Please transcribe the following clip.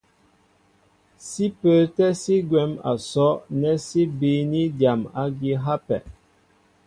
Sí pə́ə́tɛ́ sí gwɛ̌m a sɔ́' nɛ́ sí bííní dyam ági á hápɛ.